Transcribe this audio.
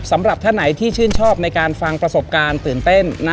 สำหรับท่านไหนที่ชื่นชอบในการฟังประสบการณ์ตื่นเต้น